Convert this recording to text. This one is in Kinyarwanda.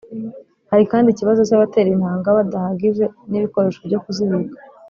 Hari kandi ikibazo cy‘abatera intanga badahagije n’ibikoresho byo kuzibik